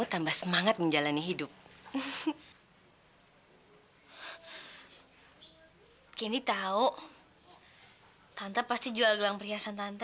sampai jumpa di video selanjutnya